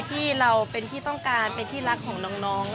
ที่เราเป็นที่ต้องการเป็นที่รักของน้อง